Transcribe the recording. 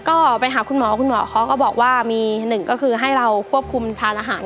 ก็ไปหาคุณหมอคุณหมอเขาก็บอกว่ามีหนึ่งก็คือให้เราควบคุมทานอาหาร